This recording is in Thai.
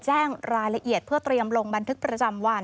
แจ้งรายละเอียดเพื่อเตรียมลงบันทึกประจำวัน